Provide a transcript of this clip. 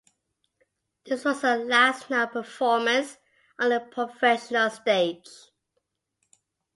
This was her last known performance on the professional stage.